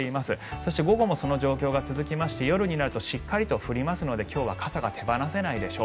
そして、午後もその状況が続きまして夜になるとしっかりと降りますので今日は傘が手放せないでしょう。